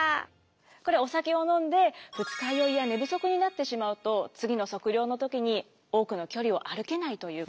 これお酒を飲んで二日酔いや寝不足になってしまうと次の測量の時に多くの距離を歩けないということ。